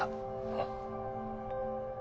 うん。